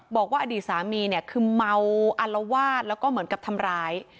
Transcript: บอกว่าอดีตสามีเนี่ยคือเมาอัลวาดแล้วก็เหมือนกับทำร้าย